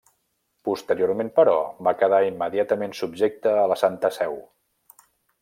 Posteriorment, però, va quedar immediatament subjecta a la Santa Seu.